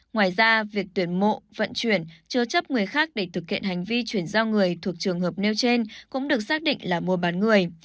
ngoài ra việc tuyển mộ vận chuyển chưa chấp người khác để thực hiện hành vi chuyển giao người thuộc trường hợp nêu trên cũng được xác định là mua bán người